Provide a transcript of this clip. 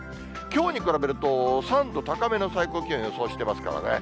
きょうに比べると、３度高めの最高気温を予想してますからね。